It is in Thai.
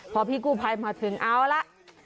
พอพี่กู้ภัยมาถึงเอาละ